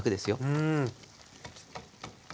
うん。